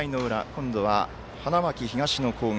今度は花巻東の攻撃。